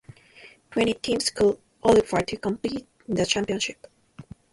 Twenty teams qualified to compete in the championship.